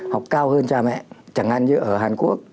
học cao hơn cha mẹ chẳng ăn như ở hàn quốc